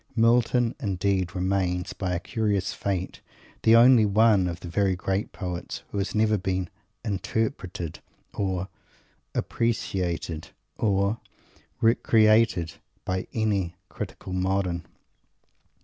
Milton, indeed, remains, by a curious fate, the only one of the very great poets who has never been "interpreted" or "appreciated" or "re created" by any critical modern.